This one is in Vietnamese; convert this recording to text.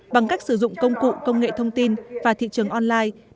bằng cách sử dụng công cụ công nghệ thông tin và thị trường online